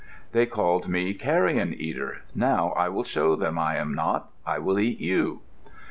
They called me 'carrion eater.' Now I will show them I am not. I will eat you."